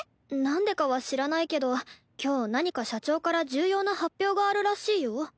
なんでかは知らないけど今日何か社長から重要な発表があるらしいよ。